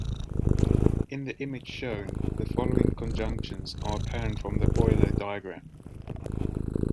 In the image shown, the following conjunctions are apparent from the Euler diagram.